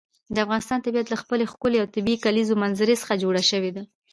د افغانستان طبیعت له خپلې ښکلې او طبیعي کلیزو منظره څخه جوړ شوی دی.